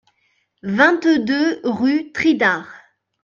vingt-deux rue Tridard